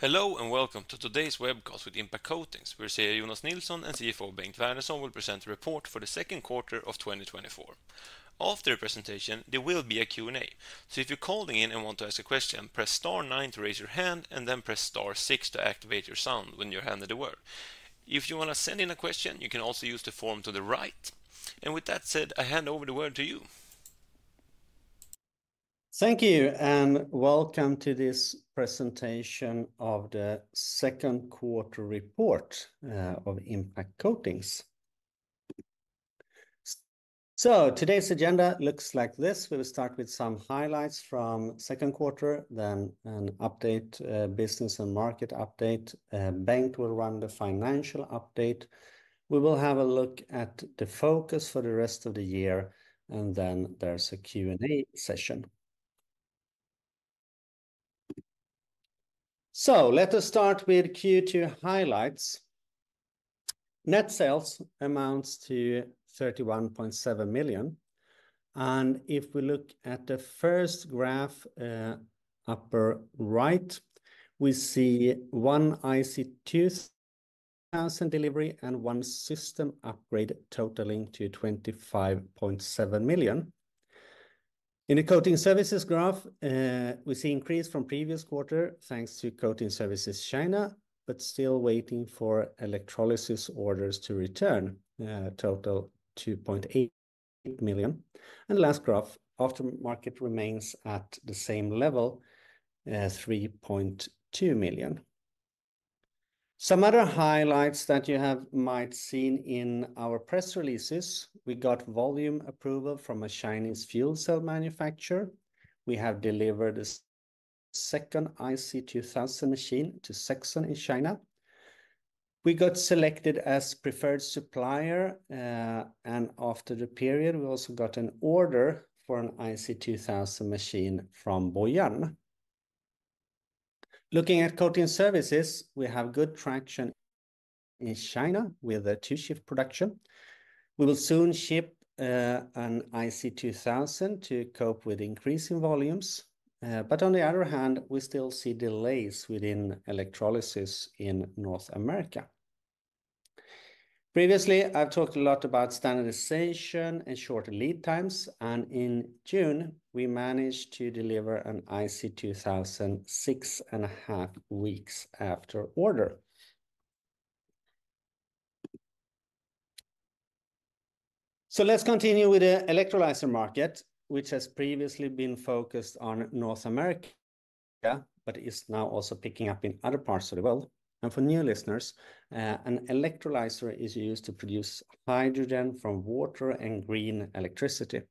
Hello, and welcome to today's webcast with Impact Coatings, where CEO Jonas Nilsson and CFO Bengt Vernerson will present the report for the second quarter of 2024. After the presentation, there will be a Q&A. So if you're calling in and want to ask a question, press star nine to raise your hand, and then press star six to activate your sound when you're handed the word. If you wanna send in a question, you can also use the form to the right. And with that said, I hand over the word to you. Thank you, and welcome to this presentation of the second quarter report, uh, of Impact Coatings. So today's agenda looks like this. We'll start with some highlights from second quarter, then an update, uh, business and market update. Uh, Bengt will run the financial update. We will have a look at the focus for the rest of the year, and then there's a Q&A session. So let us start with Q2 highlights. Net sales amounts to 31.7 million, and if we look at the first graph, uh, upper right, we see one IC2000 delivery and one system upgrade totaling to 25.7 million. In the coating services graph, uh, we see increase from previous quarter, thanks to coating services China, but still waiting for electrolysis orders to return, uh, total 2.8 million. And last graph, aftermarket remains at the same level, 3.2 million. Some other highlights that you might have seen in our press releases, we got volume approval from a Chinese fuel cell manufacturer. We have delivered a second IC2000 machine to SEKSUN in China. We got selected as preferred supplier, and after the period, we also got an order for an IC2000 machine from Boyuan. Looking at coating services, we have good traction in China with a two-shift production. We will soon ship an IC2000 to cope with increasing volumes, but on the other hand, we still see delays within electrolysis in North America. Previously, I've talked a lot about standardization and shorter lead times, and in June, we managed to deliver an IC2000, 6.5 weeks after order. Let's continue with the electrolyzer market, which has previously been focused on North America, but is now also picking up in other parts of the world. For new listeners, an electrolyzer is used to produce hydrogen from water and green electricity.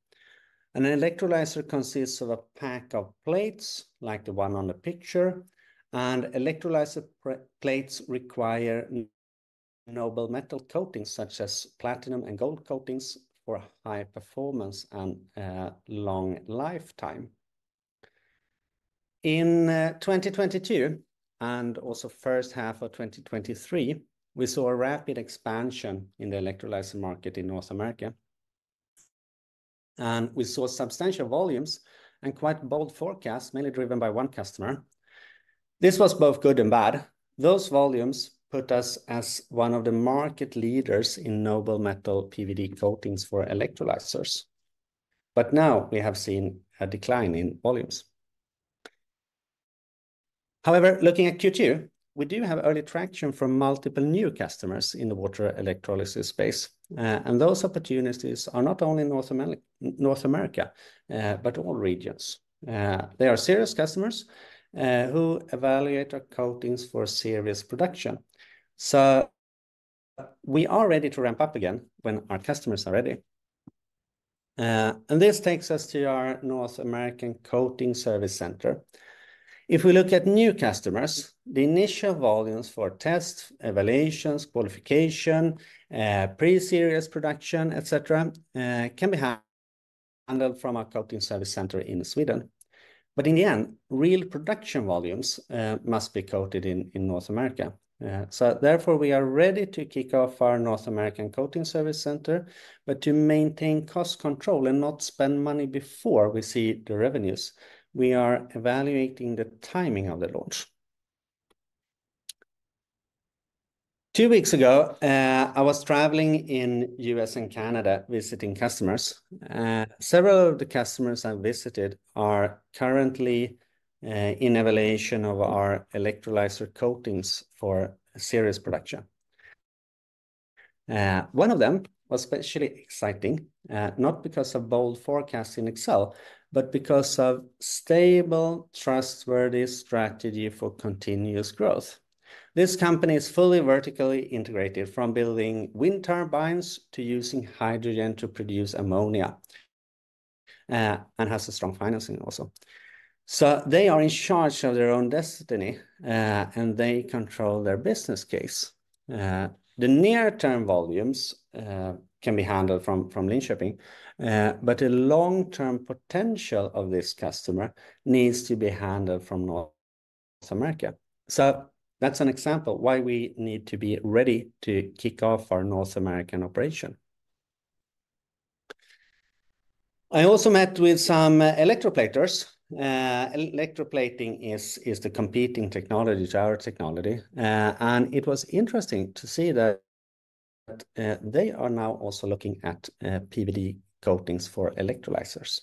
An electrolyzer consists of a pack of plates, like the one on the picture, and electrolyzer bipolar plates require noble metal coatings, such as platinum and gold coatings, for a high performance and long lifetime. In 2022, and also first half of 2023, we saw a rapid expansion in the electrolyzer market in North America, and we saw substantial volumes and quite bold forecasts, mainly driven by one customer. This was both good and bad. Those volumes put us as one of the market leaders in noble metal PVD coatings for electrolyzers, but now we have seen a decline in volumes. However, looking at Q2, we do have early traction from multiple new customers in the water electrolysis space, and those opportunities are not only in North America, but all regions. They are serious customers, who evaluate our coatings for serious production. So we are ready to ramp up again when our customers are ready. And this takes us to our North American Coating Service Center. If we look at new customers, the initial volumes for tests, evaluations, qualification, pre-serious production, et cetera, can be handled from our Coating Service Center in Sweden. But in the end, real production volumes must be coated in North America. So therefore, we are ready to kick off our North American Coating Service Center, but to maintain cost control and not spend money before we see the revenues, we are evaluating the timing of the launch. Two weeks ago, I was traveling in U.S. and Canada, visiting customers. Several of the customers I visited are currently in evaluation of our electrolyzer coatings for serious production. One of them was especially exciting, not because of bold forecasts in Excel, but because of stable, trustworthy strategy for continuous growth. This company is fully vertically integrated, from building wind turbines to using hydrogen to produce ammonia, and has a strong financing also. So they are in charge of their own destiny, and they control their business case. The near-term volumes can be handled from Linköping, but the long-term potential of this customer needs to be handled from North America, so that's an example why we need to be ready to kick off our North American operation. I also met with some electroplaters. Electroplating is the competing technology to our technology, and it was interesting to see that they are now also looking at PVD coatings for electrolyzers,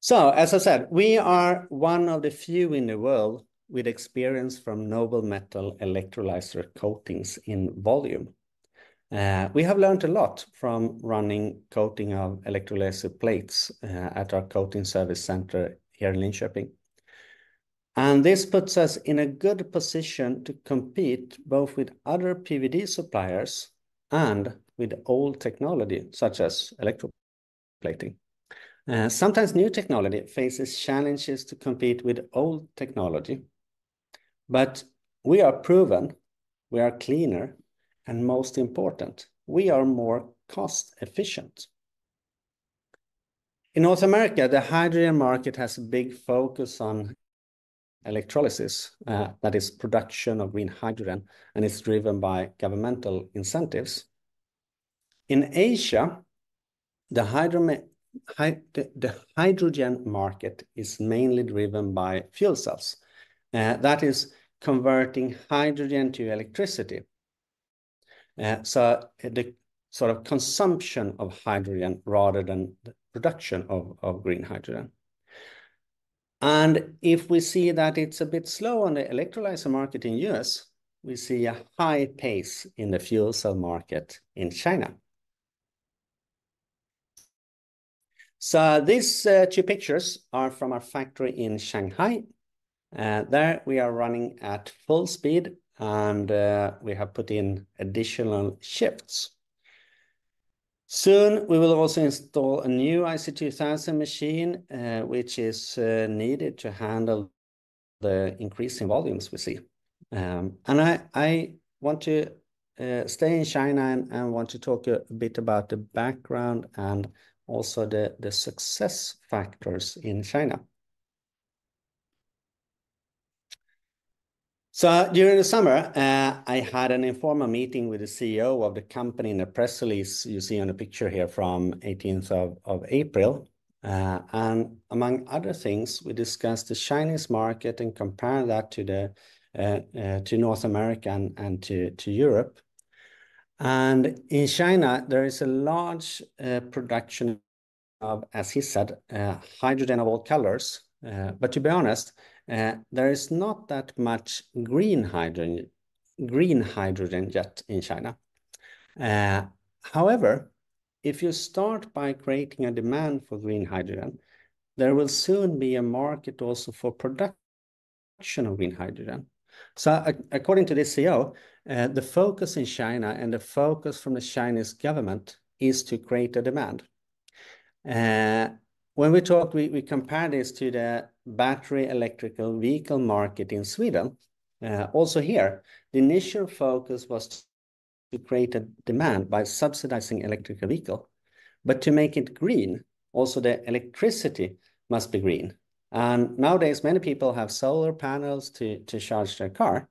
so as I said, we are one of the few in the world with experience from noble metal electrolyzer coatings in volume. We have learned a lot from running coating of electrolyzer plates at our coating service center here in Linköping, and this puts us in a good position to compete both with other PVD suppliers and with old technology, such as electroplating. Sometimes new technology faces challenges to compete with old technology, but we are proven, we are cleaner, and most important, we are more cost-efficient. In North America, the hydrogen market has a big focus on electrolysis, that is production of green hydrogen, and it's driven by governmental incentives. In Asia, the hydrogen market is mainly driven by fuel cells. That is converting hydrogen to electricity. So the sort of consumption of hydrogen rather than the production of green hydrogen, and if we see that it's a bit slow on the electrolyzer market in U.S., we see a high pace in the fuel cell market in China, so these two pictures are from our factory in Shanghai. There we are running at full speed, and we have put in additional shifts. Soon, we will also install a new IC2000 machine, which is needed to handle the increasing volumes we see. I want to stay in China and want to talk a bit about the background and also the success factors in China. During the summer, I had an informal meeting with the CEO of the company. In the press release, you see on the picture here from 18th of April. Among other things, we discussed the Chinese market and compared that to North America and to Europe. In China, there is a large production of, as he said, hydrogen of all colors. To be honest, there is not that much green hydrogen yet in China. However, if you start by creating a demand for green hydrogen, there will soon be a market also for production of green hydrogen. So according to the CEO, the focus in China and the focus from the Chinese government is to create a demand. When we talked, we compared this to the battery electric vehicle market in Sweden. Also here, the initial focus was to create a demand by subsidizing electric vehicle. But to make it green, also the electricity must be green. And nowadays, many people have solar panels to charge their car.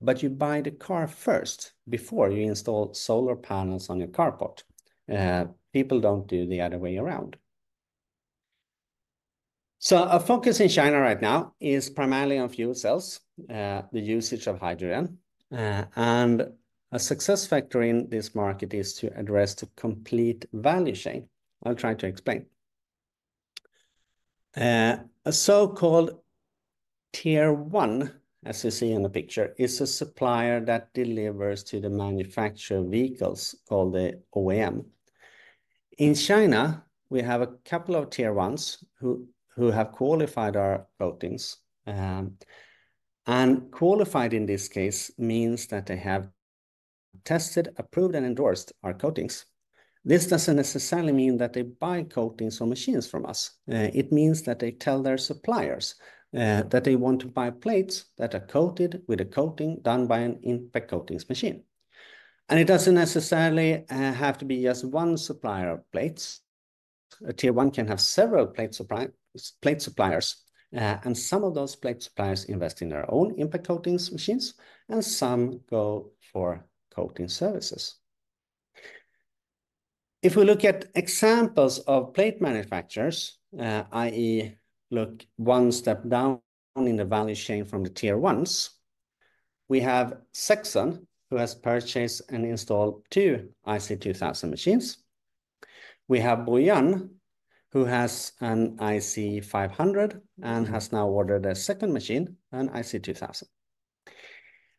But you buy the car first before you install solar panels on your carport. People don't do the other way around. So our focus in China right now is primarily on fuel cells, the usage of hydrogen. And a success factor in this market is to address the complete value chain. I'll try to explain. A so called Tier 1, as you see in the picture, is a supplier that delivers to the manufacturer of vehicles, called the OEM. In China, we have a couple of Tier 1s who have qualified our coatings. And qualified, in this case, means that they have tested, approved, and endorsed our coatings. This doesn't necessarily mean that they buy coatings or machines from us. It means that they tell their suppliers that they want to buy plates that are coated with a coating done by an Impact Coatings machine. And it doesn't necessarily have to be just one supplier of plates. A Tier 1 can have several plate suppliers, and some of those plate suppliers invest in their own Impact Coatings machines, and some go for coating services. If we look at examples of plate manufacturers, i.e., look one step down in the value chain from the Tier 1s, we have SEKSUN, who has purchased and installed two IC2000 machines. We have Boyuan, who has an IC500 and has now ordered a second machine, an IC2000.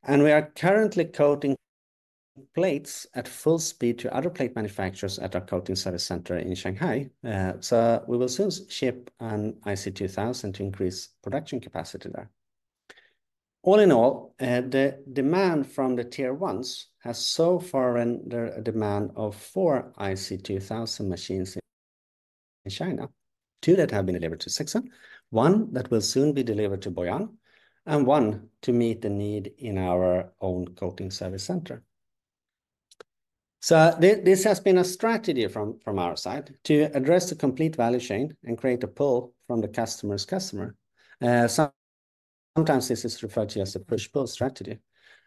And we are currently coating plates at full speed to other plate manufacturers at our coating service center in Shanghai. So we will soon ship an IC2000 to increase production capacity there. All in all, the demand from the Tier 1s has so far rendered a demand of four IC2000 machines in China. Two that have been delivered to SEKSUN, one that will soon be delivered to Boyuan, and one to meet the need in our own coating service center. So this has been a strategy from our side to address the complete value chain and create a pull from the customer's customer. Sometimes this is referred to as the push-pull strategy.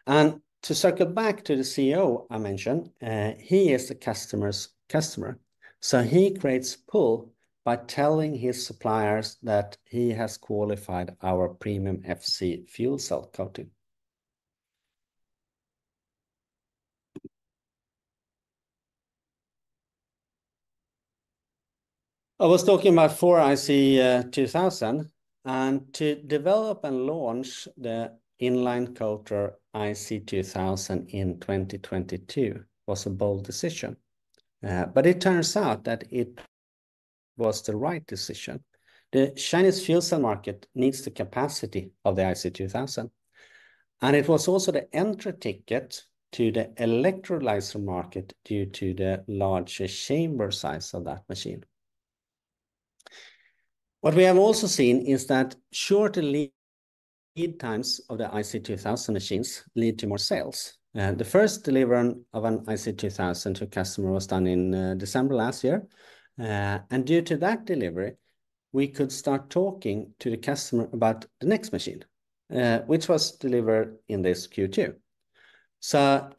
And to circle back to the CEO I mentioned, he is the customer's customer, so he creates pull by telling his suppliers that he has qualified our Premium FC fuel cell coating. I was talking about four IC2000, and to develop and launch the inline coater IC2000 in 2022 was a bold decision. But it turns out that it was the right decision. The Chinese fuel cell market needs the capacity of the IC2000, and it was also the entry ticket to the electrolyzer market due to the larger chamber size of that machine. What we have also seen is that shorter lead times of the IC2000 machines lead to more sales. The first delivery of an IC2000 to a customer was done in December last year, and due to that delivery, we could start talking to the customer about the next machine, which was delivered in this Q2, so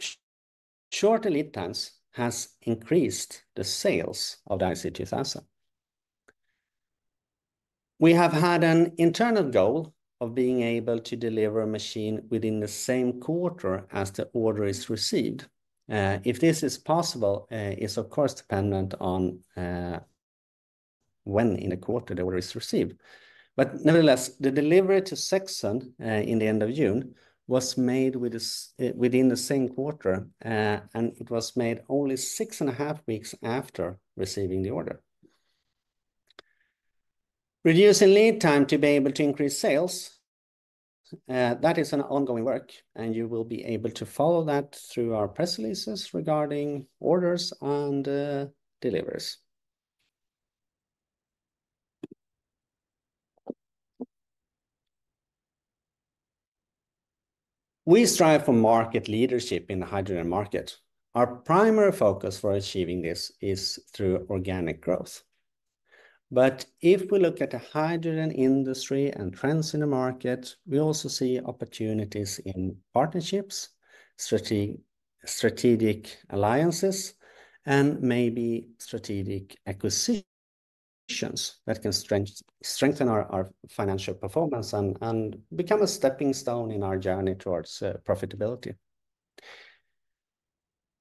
shorter lead times has increased the sales of the IC2000. We have had an internal goal of being able to deliver a machine within the same quarter as the order is received. If this is possible, it's of course dependent on when in a quarter the order is received, but nevertheless, the delivery to SEKSUN in the end of June was made within this quarter, and it was made only 6.5 weeks after receiving the order. Reducing lead time to be able to increase sales, that is an ongoing work, and you will be able to follow that through our press releases regarding orders and deliveries. We strive for market leadership in the hydrogen market. Our primary focus for achieving this is through organic growth. But if we look at the hydrogen industry and trends in the market, we also see opportunities in partnerships, strategic alliances, and maybe strategic acquisitions that can strengthen our financial performance and become a stepping stone in our journey towards profitability.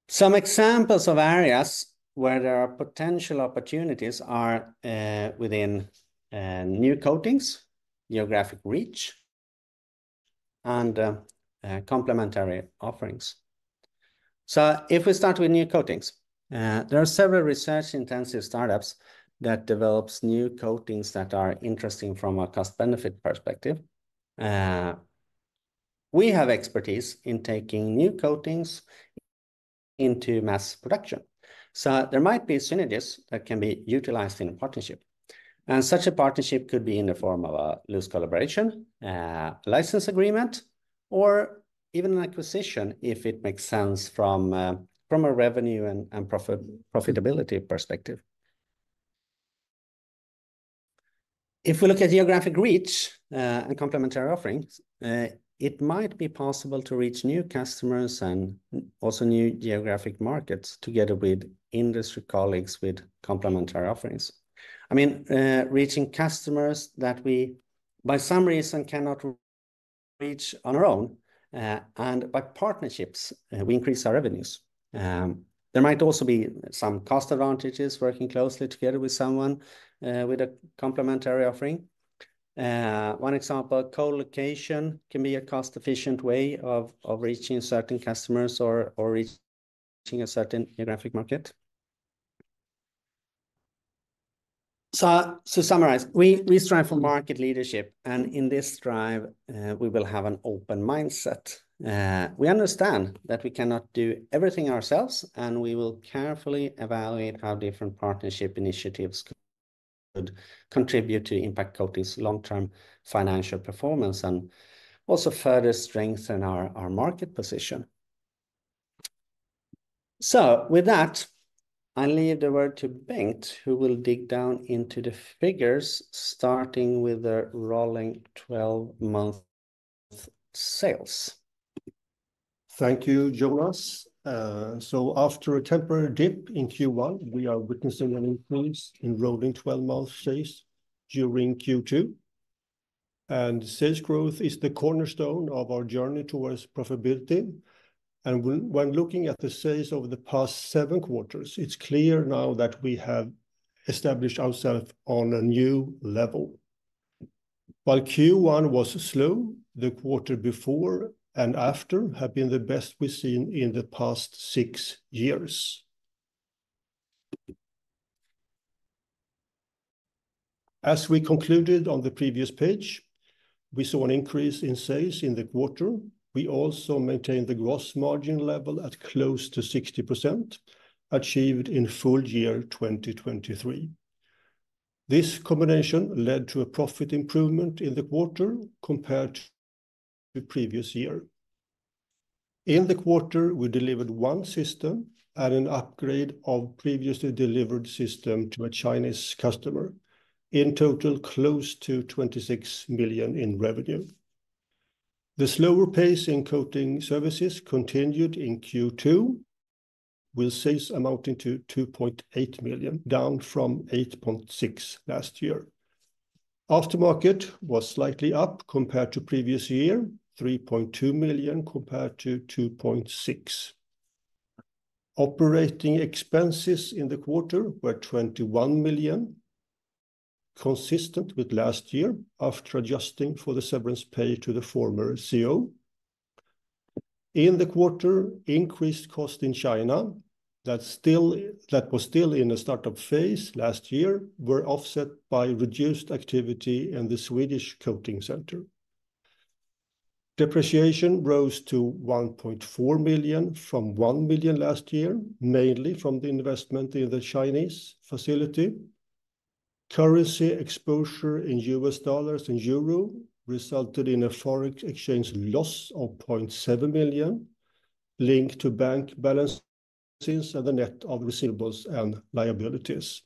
Some examples of areas where there are potential opportunities are within new coatings, geographic reach, and complementary offerings. If we start with new coatings, there are several research-intensive startups that develops new coatings that are interesting from a cost-benefit perspective. We have expertise in taking new coatings into mass production. So there might be synergies that can be utilized in a partnership. And such a partnership could be in the form of a loose collaboration, license agreement, or even an acquisition, if it makes sense from a revenue and profitability perspective. If we look at geographic reach and complementary offerings, it might be possible to reach new customers and also new geographic markets together with industry colleagues with complementary offerings. I mean, reaching customers that we, by some reason, cannot reach on our own, and by partnerships, we increase our revenues. There might also be some cost advantages working closely together with someone with a complementary offering. One example, co-location, can be a cost-efficient way of reaching certain customers or reaching a certain geographic market. So, to summarize, we strive for market leadership, and in this drive, we will have an open mindset. We understand that we cannot do everything ourselves, and we will carefully evaluate how different partnership initiatives could contribute to Impact Coatings' long-term financial performance, and also further strengthen our market position. So with that, I leave the word to Bengt, who will dig down into the figures, starting with the rolling twelve-month sales. Thank you, Jonas, so after a temporary dip in Q1, we are witnessing an increase in rolling 12-month sales during Q2, and sales growth is the cornerstone of our journey towards profitability, and when looking at the sales over the past seven quarters, it's clear now that we have established ourselves on a new level. While Q1 was slow, the quarter before and after have been the best we've seen in the past six years. As we concluded on the previous page, we saw an increase in sales in the quarter. We also maintained the gross margin level at close to 60%, achieved in full year 2023. This combination led to a profit improvement in the quarter compared to the previous year. In the quarter, we delivered one system and an upgrade of previously delivered system to a Chinese customer. In total, close to 26 million in revenue. The slower pace in coating services continued in Q2, with sales amounting to 2.8 million, down from 8.6 million last year. Aftermarket was slightly up compared to previous year, 3.2 million compared to 2.6 million. Operating expenses in the quarter were 21 million, consistent with last year after adjusting for the severance pay to the former CEO. In the quarter, increased cost in China, that was still in the startup phase last year, were offset by reduced activity in the Swedish coating center. Depreciation rose to 1.4 million from 1 million last year, mainly from the investment in the Chinese facility. Currency exposure in U.S. dollars and euro resulted in a forex exchange loss of 0.7 million, linked to bank balances and the net of receivables and liabilities.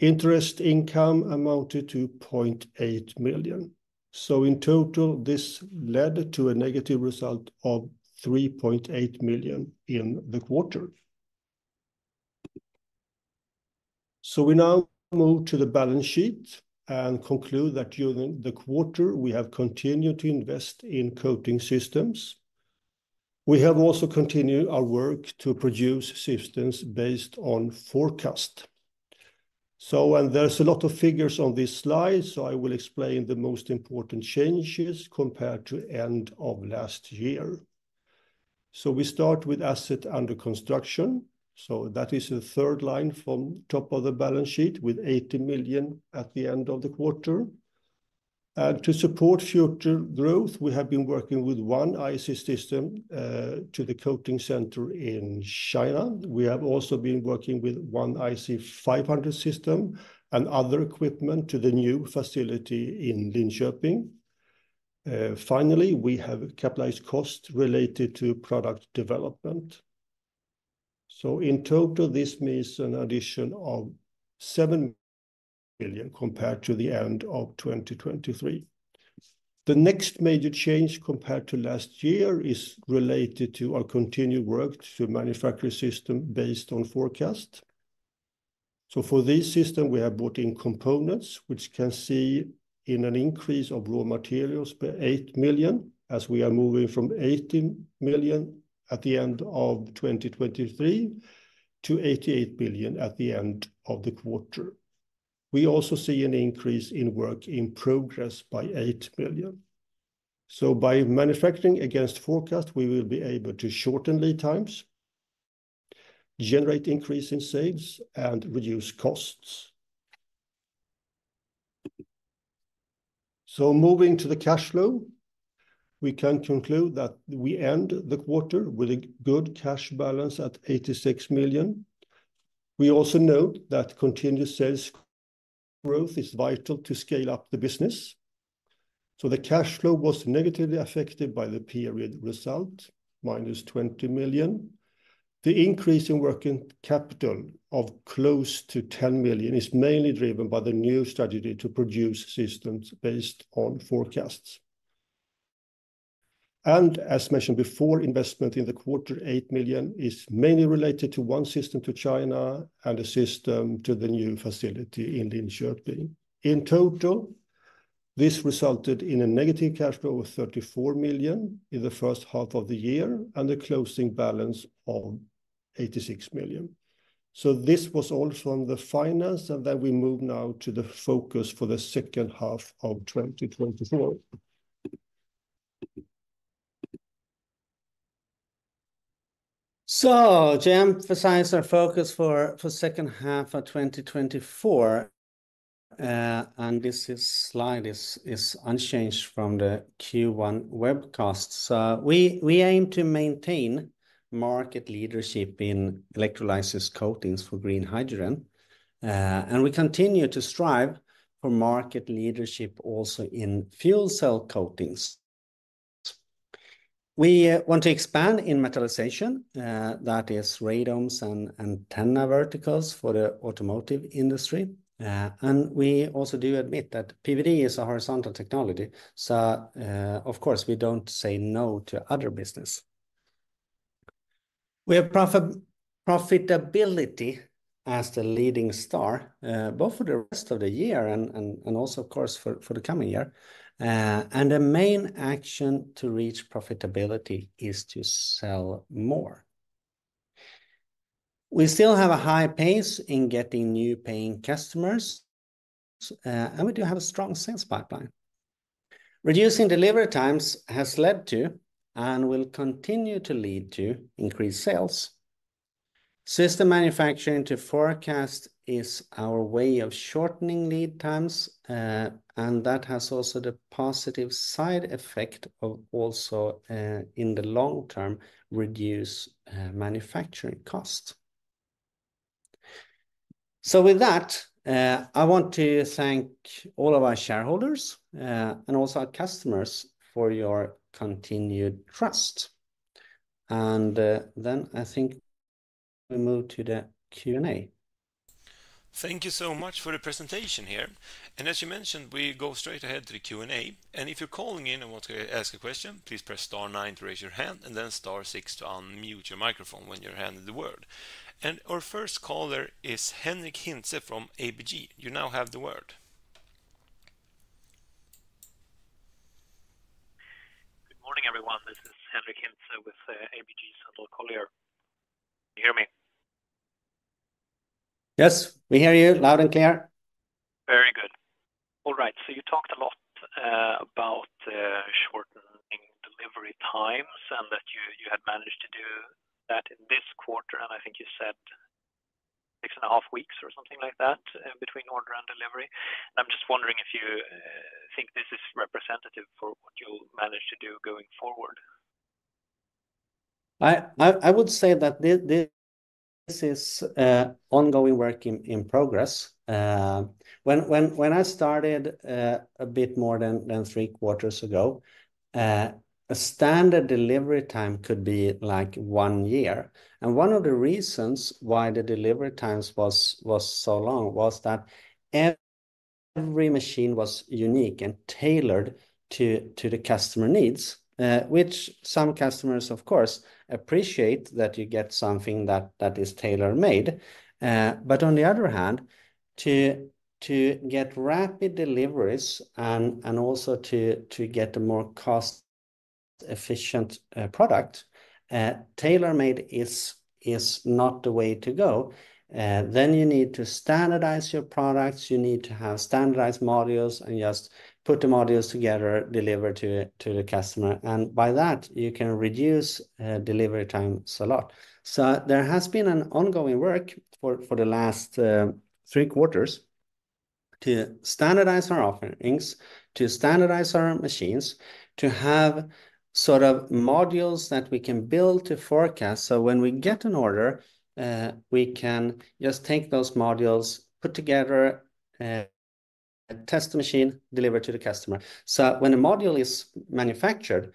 Interest income amounted to 0.8 million. So in total, this led to a negative result of 3.8 million in the quarter. So we now move to the balance sheet and conclude that during the quarter, we have continued to invest in coating systems. We have also continued our work to produce systems based on forecast. So, and there's a lot of figures on this slide, so I will explain the most important changes compared to end of last year. So we start with asset under construction. So that is the third line from top of the balance sheet, with 80 million at the end of the quarter. And to support future growth, we have been working with one IC system to the coating center in China. We have also been working with one IC500 system and other equipment to the new facility in Linköping. Finally, we have capitalized costs related to product development, so in total, this means an addition of 7 million compared to the end of 2023. The next major change compared to last year is related to our continued work to manufacture systems based on forecast, so for this system, we have brought in components, which we can see in an increase of raw materials by 8 million, as we are moving from 18 million at the end of 2023 to 88 million at the end of the quarter. We also see an increase in work in progress by 8 million, so by manufacturing against forecast, we will be able to shorten lead times, generate increase in sales, and reduce costs. So moving to the cash flow, we can conclude that we end the quarter with a good cash balance at 86 million. We also note that continued sales growth is vital to scale up the business, so the cash flow was negatively affected by the period result, -20 million. The increase in working capital of close to 10 million is mainly driven by the new strategy to produce systems based on forecasts. And as mentioned before, investment in the quarter, 8 million, is mainly related to one system to China and a system to the new facility in Linköping. In total, this resulted in a negative cash flow of 34 million in the first half of the year and a closing balance of 86 million. So this was all from the finance, and then we move now to the focus for the second half of 2024. To emphasize our focus for second half of 2024, and this slide is unchanged from the Q1 webcasts. We aim to maintain market leadership in electrolysis coatings for green hydrogen, and we continue to strive for market leadership also in fuel cell coatings. We want to expand in metallization, that is radomes and antenna verticals for the automotive industry. And we also do admit that PVD is a horizontal technology, so, of course, we don't say no to other business. We have profitability as the leading star, both for the rest of the year and also of course, for the coming year. And the main action to reach profitability is to sell more. We still have a high pace in getting new paying customers, and we do have a strong sales pipeline. Reducing delivery times has led to, and will continue to lead to, increased sales. System manufacturing to forecast is our way of shortening lead times, and that has also the positive side effect of, in the long term, reduce manufacturing cost. So with that, I want to thank all of our shareholders, and also our customers for your continued trust. And, then I think we move to the Q&A. Thank you so much for the presentation here. And as you mentioned, we go straight ahead to the Q&A, and if you're calling in and want to ask a question, please press star nine to raise your hand, and then star six to unmute your microphone when you're handed the word. And our first caller is Henrik Hintze from ABG. You now have the word. Good morning, everyone. This is Henrik Hintze with ABG Sundal Collier. Can you hear me? Yes, we hear you loud and clear. Very good. All right, so you talked a lot about shortening delivery times and that you had managed to do that in this quarter, and I think you said 6.5 weeks or something like that between order and delivery. I'm just wondering if you think this is representative for what you'll manage to do going forward? I would say that this is ongoing work in progress. When I started a bit more than three quarters ago, a standard delivery time could be like one year. And one of the reasons why the delivery times was so long was that every machine was unique and tailored to the customer needs, which some customers, of course, appreciate that you get something that is tailor-made. But on the other hand, to get rapid deliveries and also to get a more cost-efficient product, tailor-made is not the way to go. Then you need to standardize your products, you need to have standardized modules, and just put the modules together, deliver to the customer, and by that, you can reduce delivery times a lot. So there has been an ongoing work for the last three quarters to standardize our offerings, to standardize our machines, to have sort of modules that we can build to forecast, so when we get an order, we can just take those modules, put together, test the machine, deliver to the customer. So when a module is manufactured,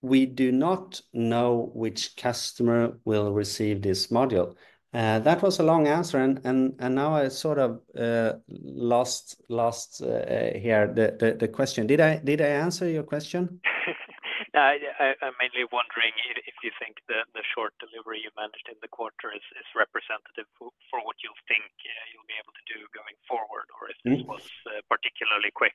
we do not know which customer will receive this module. That was a long answer, and now I sort of lost here the question. Did I answer your question? Yeah, I'm mainly wondering if you think the short delivery you managed in the quarter is representative for what you think you'll be able to do going forward, or if this was particularly quick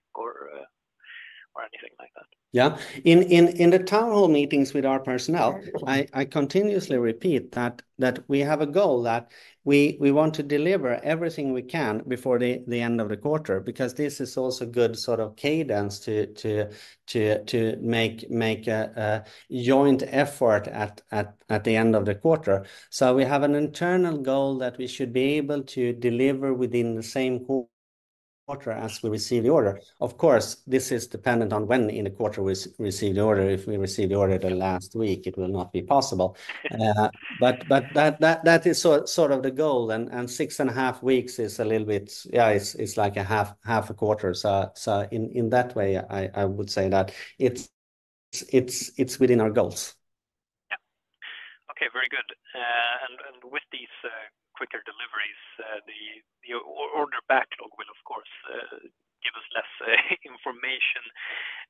or anything like that? Yeah. In the town hall meetings with our personnel, I continuously repeat that we have a goal, that we want to deliver everything we can before the end of the quarter, because this is also good sort of cadence to make a joint effort at the end of the quarter. So we have an internal goal that we should be able to deliver within the same quarter as we receive the order. Of course, this is dependent on when in the quarter we receive the order. If we receive the order the last week, it will not be possible. But that is sort of the goal, and 6.5 weeks is a little bit, yeah, it's like a half a quarter. In that way, I would say that it's within our goals. Yeah. Okay, very good. And with these quicker deliveries, the order backlog will, of course, give us less information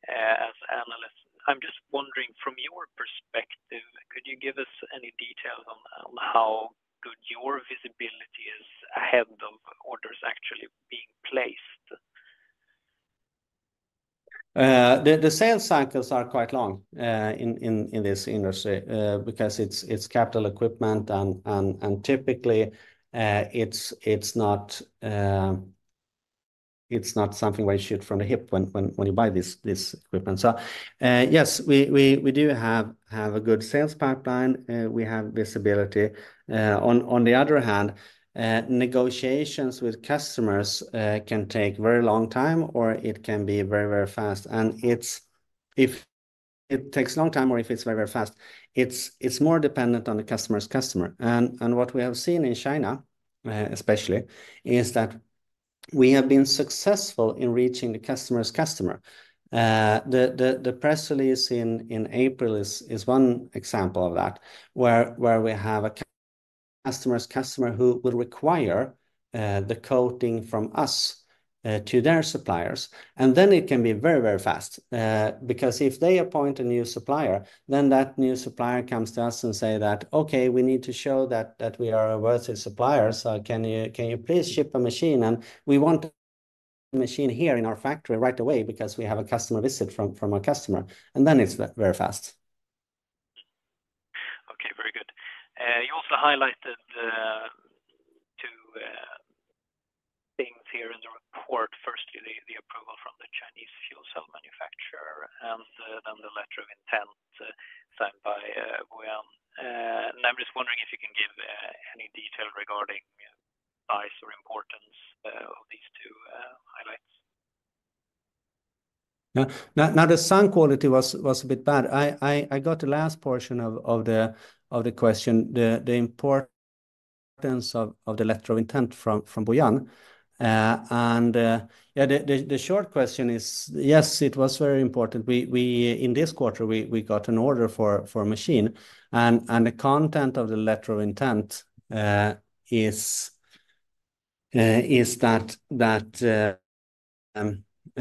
as analysts. I'm just wondering, from your perspective, could you give us any details on how good your visibility is ahead of orders actually being placed? The sales cycles are quite long in this industry because it's capital equipment, and typically it's not something where you shoot from the hip when you buy this equipment. Yes, we do have a good sales pipeline. We have visibility. On the other hand, negotiations with customers can take very long time, or it can be very fast. And it's if it takes a long time or if it's very fast, it's more dependent on the customer's customer. And what we have seen in China, especially, is that we have been successful in reaching the customer's customer. The press release in April is one example of that, where we have a customer's customer who will require the coating from us to their suppliers. And then it can be very, very fast. Because if they appoint a new supplier, then that new supplier comes to us and say that, "Okay, we need to show that we are a worthy supplier, so can you please ship a machine? And we want the machine here in our factory right away because we have a customer visit from our customer," and then it's very fast. Okay, very good. You also highlighted two things here in the report. Firstly, the approval from the Chinese fuel cell manufacturer, and then the letter of intent signed by Boyuan. And I'm just wondering if you can give any detail regarding price or importance? Yeah. Now the sound quality was a bit bad. I got the last portion of the question, the importance of the letter of intent from Boyuan. And yeah, the short question is, yes, it was very important. We in this quarter got an order for a machine, and the content of the letter of intent is that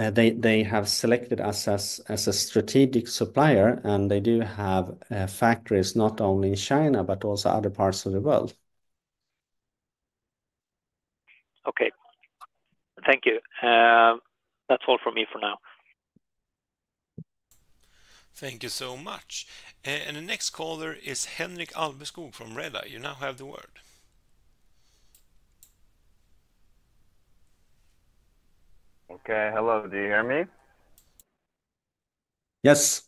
they have selected us as a strategic supplier, and they do have factories not only in China, but also other parts of the world. Okay. Thank you. That's all from me for now. Thank you so much. And the next caller is Henrik Alveskog from Redeye. You now have the word. Okay. Hello, do you hear me? Yes.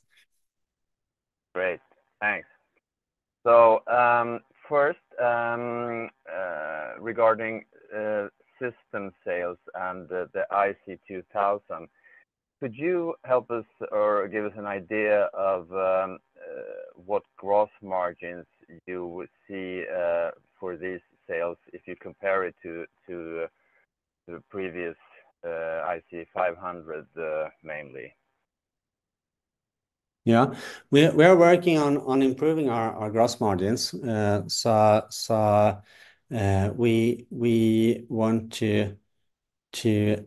Great, thanks. So, first, regarding system sales and the IC2000, could you help us or give us an idea of what gross margins you would see for these sales if you compare it to the previous IC500, mainly? Yeah. We're working on improving our gross margins. So, we want to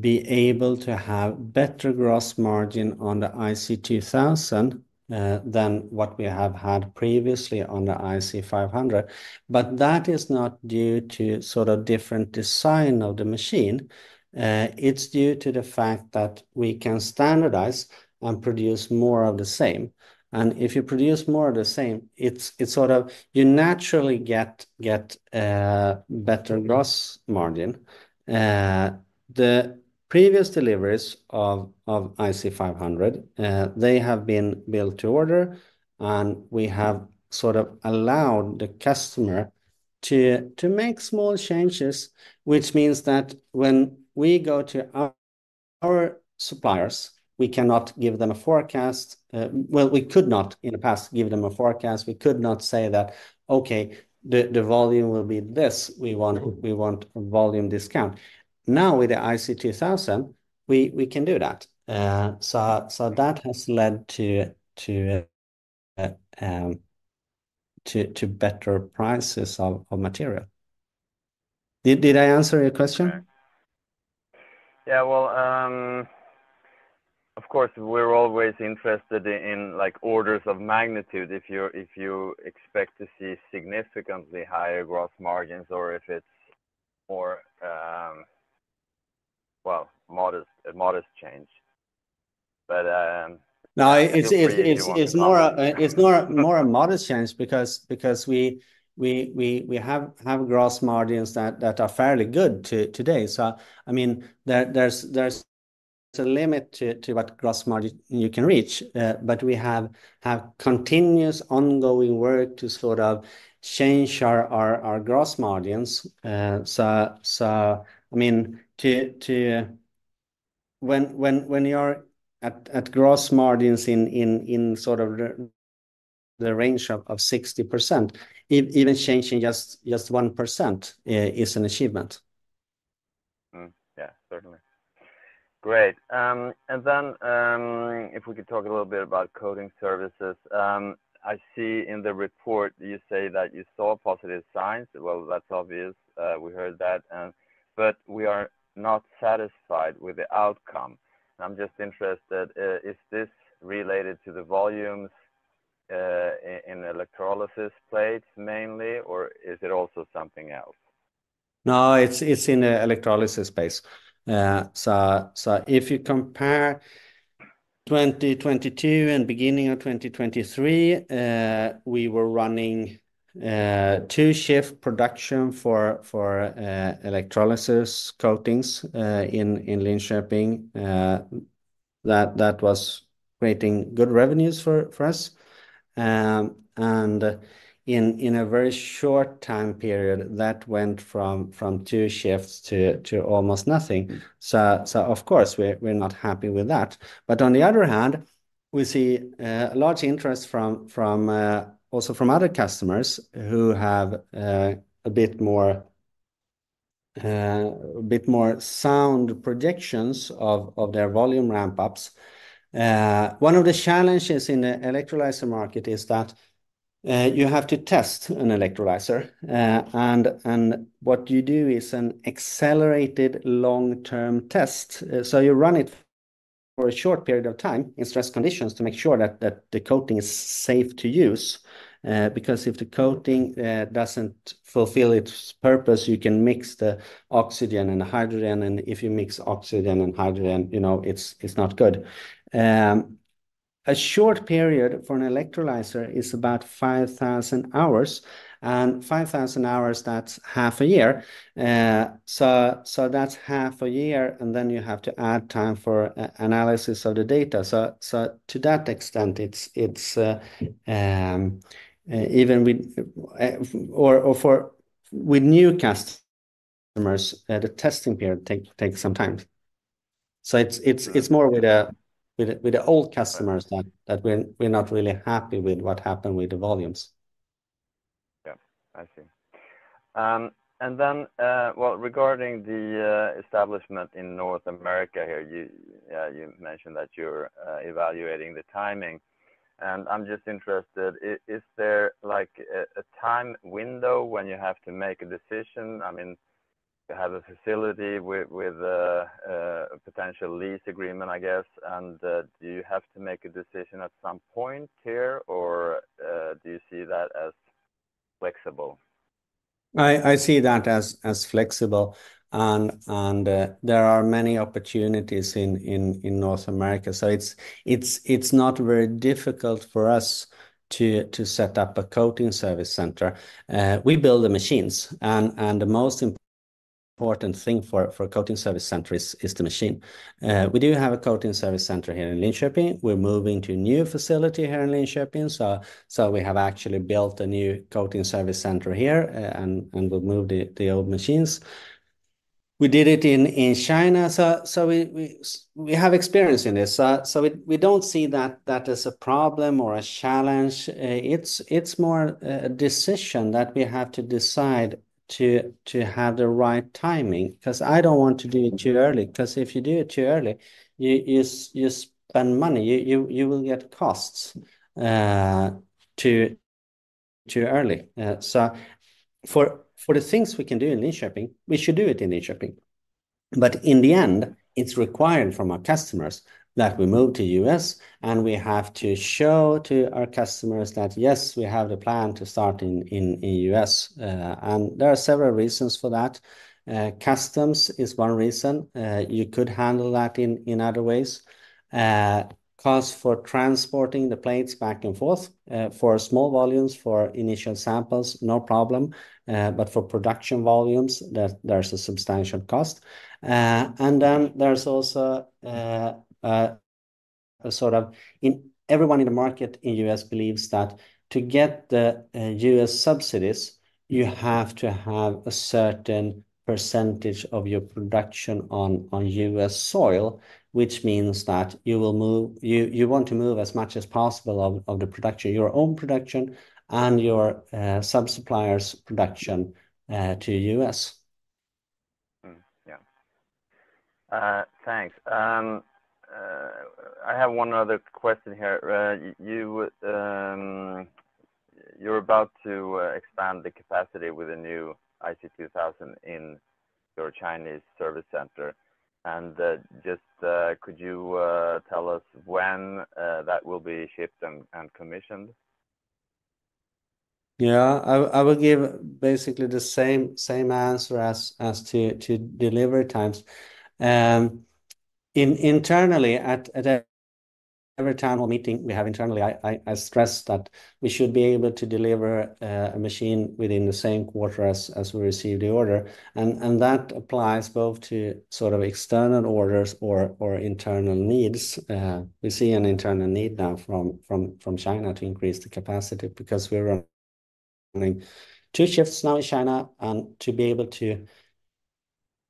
be able to have better gross margin on the IC2000 than what we have had previously on the IC500, but that is not due to sort of different design of the machine. It's due to the fact that we can standardize and produce more of the same. And if you produce more of the same, it's sort of you naturally get better gross margin. The previous deliveries of IC500, they have been built to order, and we have sort of allowed the customer to make small changes, which means that when we go to our suppliers, we cannot give them a forecast. Well, we could not, in the past, give them a forecast. We could not say that, "Okay, the volume will be this. We want a volume discount." Now, with the IC2000, we can do that. So that has led to better prices of material. Did I answer your question? Yeah, well, of course, we're always interested in, like, orders of magnitude, if you're, if you expect to see significantly higher gross margins or if it's more, well, a modest change. But, No, it's more a. Feel free to. It’s more a modest change because we have gross margins that are fairly good today. So, I mean, there's a limit to what gross margin you can reach, but we have continuous ongoing work to sort of change our gross margins. So, I mean, when you are at gross margins in sort of the range of 60%, even changing just 1% is an achievement. Mm-hmm. Yeah, certainly. Great, and then if we could talk a little bit about coating services. I see in the report you say that you saw positive signs. Well, that's obvious. We heard that, but we are not satisfied with the outcome. I'm just interested, is this related to the volumes in electrolysis plates mainly, or is it also something else? No, it's in the electrolysis space. So if you compare 2022 and beginning of twenty 2023, we were running two-shift production for electrolysis coatings in Linköping. That was creating good revenues for us and in a very short time period, that went from two shifts to almost nothing. So of course, we're not happy with that, but on the other hand, we see large interest from also from other customers who have a bit more sound projections of their volume ramp-ups. One of the challenges in the electrolyzer market is that you have to test an electrolyzer. And what you do is an accelerated long-term test. You run it for a short period of time in stress conditions to make sure that the coating is safe to use. Because if the coating doesn't fulfill its purpose, you can mix the oxygen and hydrogen, and if you mix oxygen and hydrogen, you know, it's not good. A short period for an electrolyzer is about 5,000 hours, and 5,000 hours, that's half a year. So that's half a year, and then you have to add time for analysis of the data. To that extent, it's even with new customers, the testing period takes some time. It's more with the old customers that we're not really happy with what happened with the volumes. Yeah, I see. And then, well, regarding the establishment in North America here, you mentioned that you're evaluating the timing, and I'm just interested, is there like a time window when you have to make a decision? I mean, you have a facility with a potential lease agreement, I guess, and do you have to make a decision at some point here, or do you see that as flexible? I see that as flexible, and there are many opportunities in North America. So it's not very difficult for us to set up a coating service center. We build the machines, and the most important thing for a coating service center is the machine. We do have a coating service center here in Linköping. We're moving to a new facility here in Linköping, so we have actually built a new coating service center here, and we've moved the old machines. We did it in China, so we have experience in this. So we don't see that as a problem or a challenge. It's more a decision that we have to decide to have the right timing, 'cause I don't want to do it too early, 'cause if you do it too early, you spend money. You will get costs too early. So for the things we can do in Linköping, we should do it in Linköping. But in the end, it's required from our customers that we move to U.S., and we have to show to our customers that, yes, we have the plan to start in U.S., and there are several reasons for that. Customs is one reason. You could handle that in other ways. Cost for transporting the plates back and forth, for small volumes, for initial samples, no problem, but for production volumes, there's a substantial cost. And then there's also, everyone in the market in the U.S. believes that to get the U.S. subsidies, you have to have a certain percentage of your production on U.S. soil, which means that you want to move as much as possible of the production, your own production and your sub-suppliers' production, to U.S. Yeah. Thanks. I have one other question here. You're about to expand the capacity with a new IC2000 in your Chinese service center, and just could you tell us when that will be shipped and commissioned? Yeah. I will give basically the same answer as to delivery times. Internally, at every town hall meeting we have internally, I stress that we should be able to deliver a machine within the same quarter as we receive the order, and that applies both to sort of external orders or internal needs. We see an internal need now from China to increase the capacity because we're running two shifts now in China, and to be able to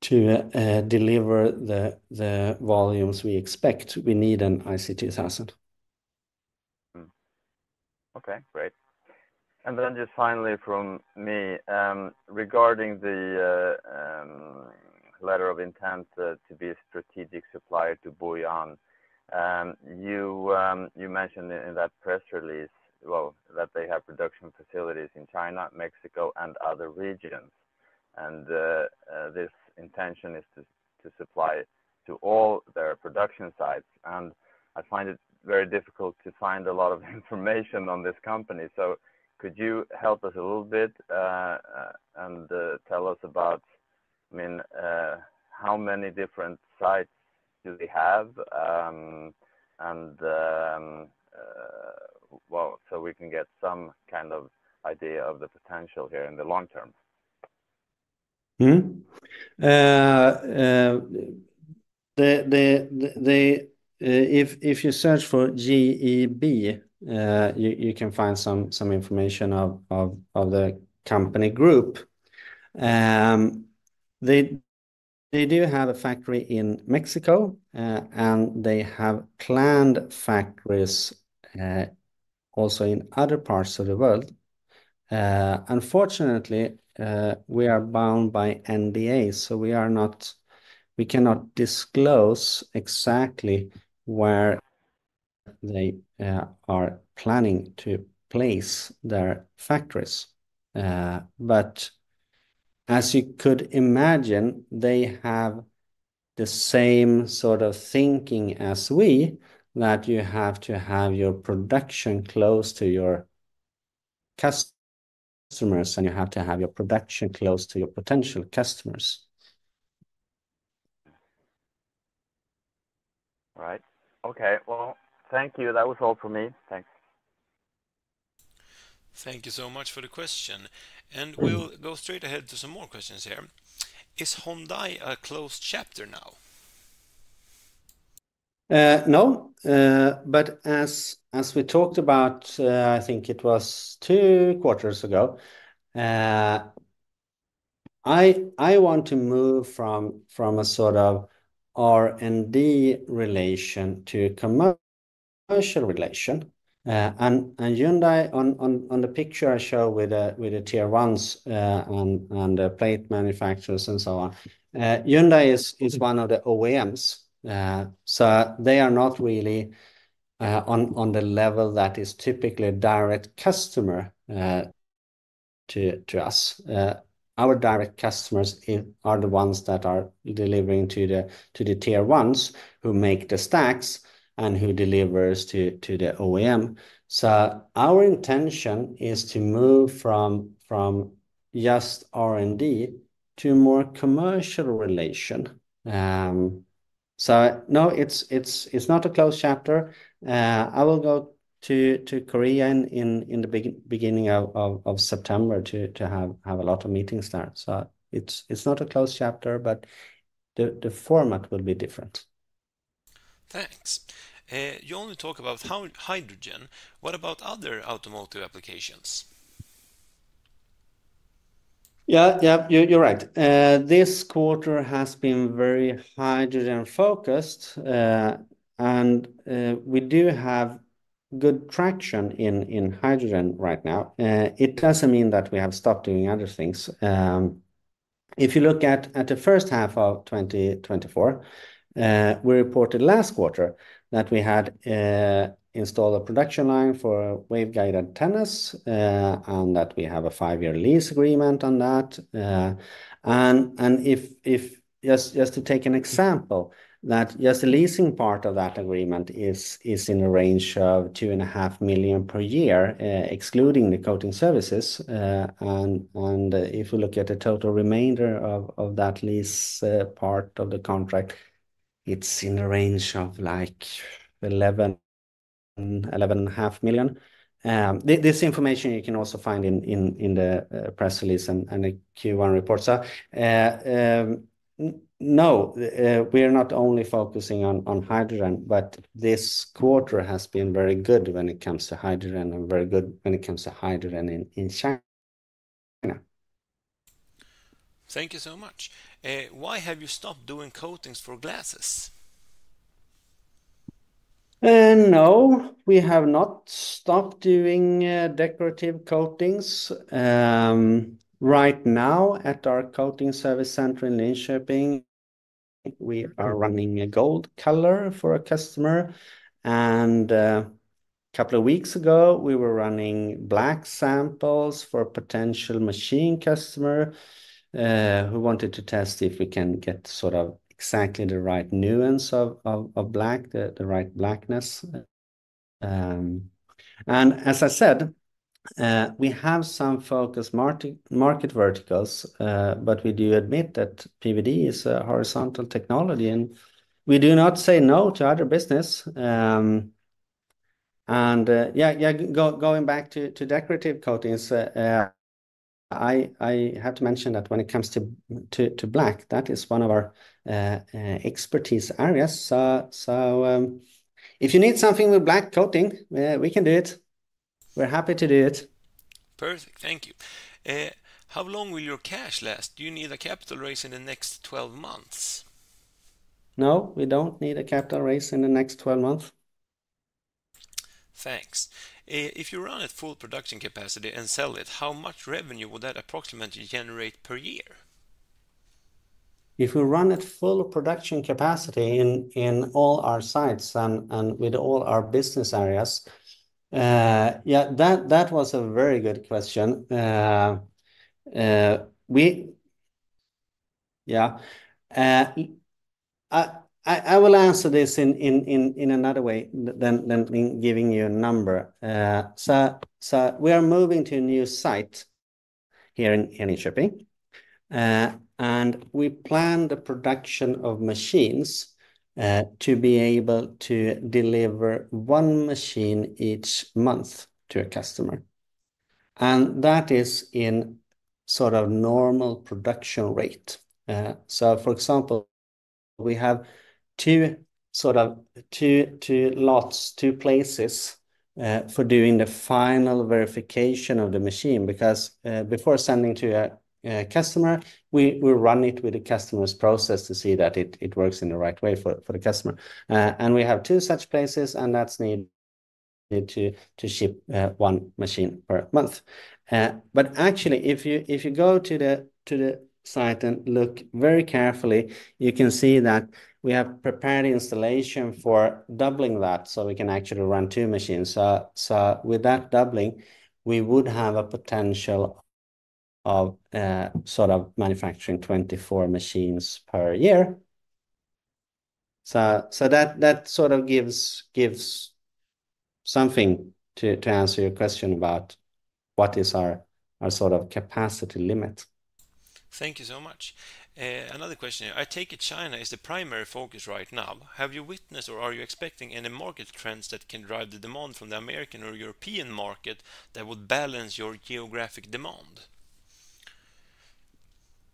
deliver the volumes we expect, we need an IC2000. Okay, great, and then just finally from me, regarding the letter of intent to be a strategic supplier to Boyuan, you mentioned in that press release, well, that they have production facilities in China, Mexico, and other regions, and this intention is to supply to all their production sites, and I find it very difficult to find a lot of information on this company, so could you help us a little bit, and tell us about, I mean, how many different sites do they have, and well, so we can get some kind of idea of the potential here in the long term? If you search for GEB, you can find some information of the company group. They do have a factory in Mexico, and they have planned factories also in other parts of the world. Unfortunately, we are bound by NDAs, so we cannot disclose exactly where they are planning to place their factories. But as you could imagine, they have the same sort of thinking as we, that you have to have your production close to your customers, and you have to have your production close to your potential customers. Right. Okay, well, thank you. That was all for me. Thanks. Thank you so much for the question, and we'll go straight ahead to some more questions here. Is Hyundai a closed chapter now? No, but as we talked about, I want to move from a sort of R&D relation to commercial relation. And Hyundai, on the picture I show with the Tier 1, on the plate manufacturers and so on, Hyundai is one of the OEMs. So they are not really on the level that is typically a direct customer to us. Our direct customers are the ones that are delivering to the Tier 1s, who make the stacks and who delivers to the OEM. So our intention is to move from just R&D to more commercial relation. So no, it's not a closed chapter. I will go to Korea in the beginning of September to have a lot of meetings there. So it's not a closed chapter, but the format will be different. Thanks. You only talk about hydrogen. What about other automotive applications? Yeah, yeah, you're right. This quarter has been very hydrogen-focused, and we do have good traction in hydrogen right now. It doesn't mean that we have stopped doing other things. If you look at the first half of 2024, we reported last quarter that we had installed a production line for waveguide antennas, and that we have a five-year lease agreement on that. And if. Just to take an example, that just the leasing part of that agreement is in a range of 2.5 million per year, excluding the coating services. And if you look at the total remainder of that lease part of the contract, it's in a range of, like, 11-11.5 million. This information you can also find in the press release and the Q1 report. So, no, we are not only focusing on hydrogen, but this quarter has been very good when it comes to hydrogen and very good when it comes to hydrogen in China. Thank you so much. Why have you stopped doing coatings for glasses? No, we have not stopped doing decorative coatings. Right now, at our coating service center in Linköping, we are running a gold color for a customer, and a couple of weeks ago, we were running black samples for a potential machine customer who wanted to test if we can get sort of exactly the right nuance of black, the right blackness. And as I said, we have some focus market verticals, but we do admit that PVD is a horizontal technology, and we do not say no to other business. And going back to decorative coatings, I have to mention that when it comes to black, that is one of our expertise areas. So, if you need something with black coating, we can do it. We're happy to do it. Perfect. Thank you. How long will your cash last? Do you need a capital raise in the next 12 months? No, we don't need a capital raise in the next 12 months. Thanks. If you run at full production capacity and sell it, how much revenue would that approximately generate per year? If we run at full production capacity in all our sites and with all our business areas. Yeah, that was a very good question. Yeah. I will answer this in another way than in giving you a number. So we are moving to a new site here in Linköping, and we plan the production of machines to be able to deliver one machine each month to a customer, and that is in sort of normal production rate. So for example, we have two lots, two places for doing the final verification of the machine, because before sending to a customer, we run it with the customer's process to see that it works in the right way for the customer. And we have two such places, and that's needed to ship one machine per month. But actually, if you go to the site and look very carefully, you can see that we have prepared installation for doubling that, so we can actually run two machines. So with that doubling, we would have a potential of sort of manufacturing 24 machines per year. That sort of gives something to answer your question about what is our sort of capacity limit. Thank you so much. Another question here: I take it China is the primary focus right now. Have you witnessed, or are you expecting any market trends that can drive the demand from the American or European market that would balance your geographic demand?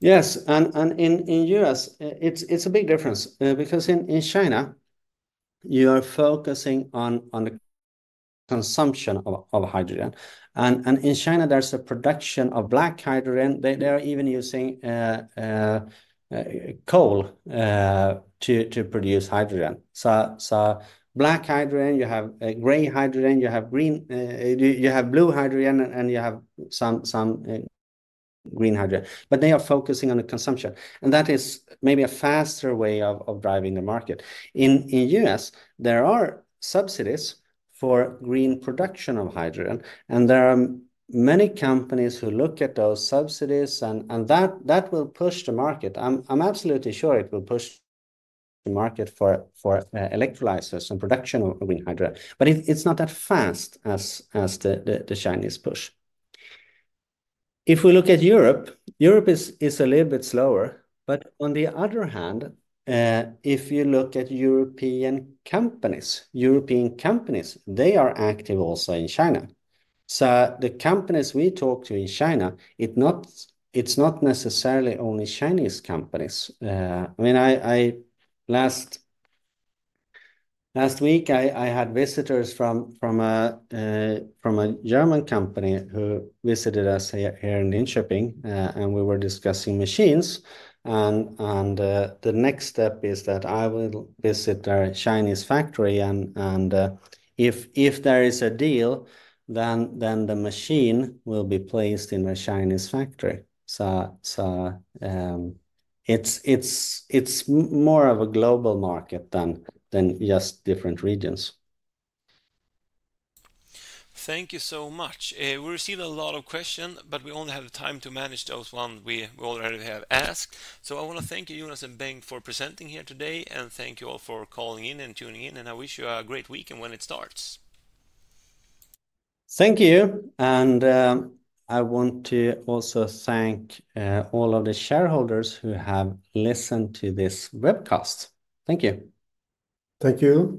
Yes, and in the U.S., it's a big difference, because in China, you are focusing on the consumption of hydrogen. And in China, there's a production of black hydrogen. They are even using coal to produce hydrogen. So black hydrogen, you have gray hydrogen, you have green, you have blue hydrogen, and you have some green hydrogen. But they are focusing on the consumption, and that is maybe a faster way of driving the market. In the U.S., there are subsidies for green production of hydrogen, and there are many companies who look at those subsidies, and that will push the market. I'm absolutely sure it will push the market for electrolyzers and production of green hydrogen, but it's not that fast as the Chinese push. If we look at Europe, Europe is a little bit slower, but on the other hand, if you look at European companies, they are active also in China. So the companies we talk to in China, it's not necessarily only Chinese companies. I mean, last week, I had visitors from a German company who visited us here in Linköping, and we were discussing machines, and the next step is that I will visit their Chinese factory, and if there is a deal, then the machine will be placed in a Chinese factory. It's more of a global market than just different regions. Thank you so much. We received a lot of questions, but we only have the time to manage those ones we already have asked. So I want to thank you, Jonas and Bengt, for presenting here today, and thank you all for calling in and tuning in, and I wish you a great weekend when it starts. Thank you, and, I want to also thank, all of the shareholders who have listened to this webcast. Thank you. Thank you.